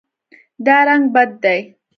دا رنګ بد دی